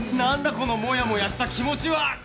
このモヤモヤした気持ちは！